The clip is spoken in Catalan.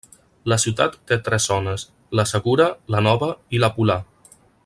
La ciutat té tres zones: la segura, la nova i la polar.